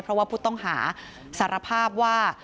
เพราะว่าผู้ต้องหาสารภาพว่า